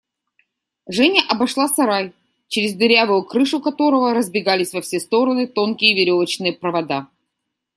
Женя обошла сарай, через дырявую крышу которого разбегались во все стороны тонкие веревочные провода.